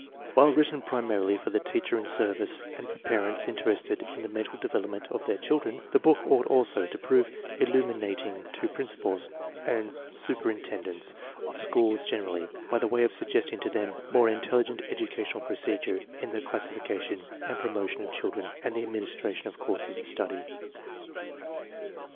While written primarily for the teacher in service and for parents interested in the mental development of their children, the book ought also to prove illtiminat x EDITOR'S INTRODUCTION ing to principals and superintendents of schools gen erally, by way of suggesting to them more intelligent educational procedure in the classification and promo tion of children and the administration of courses of study.